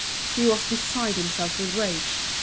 He was beside himself with rage.